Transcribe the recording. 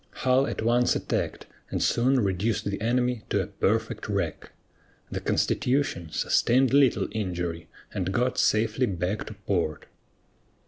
Hull at once attacked, and soon reduced the enemy to a "perfect wreck." The Constitution sustained little injury and got safely back to port.